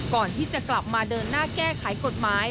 ก่อนที่จะกลับมาเดินหน้าแก้ไขกฎหมาย